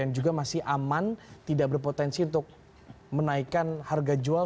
yang juga masih aman tidak berpotensi untuk menaikkan harga jual